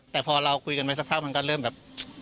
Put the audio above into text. แต่พอเราคุยกันไว้สักพักมันก็เริ่มแบบ